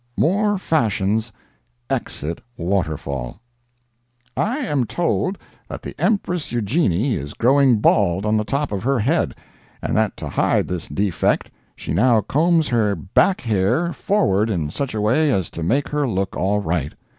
MORE FASHIONS—EXIT "WATERFALL." I am told that the Empress Eugenie is growing bald on the top of her head, and that to hide this defect she now combs her "back hair" forward in such a way as to make her look all right.